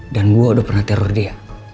dan gue udah pernah teror dia